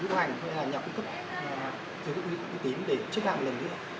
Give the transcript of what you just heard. hay là nhà cung cấp nhà cung cấp lừa đảo lữ hành để chức làm lần nữa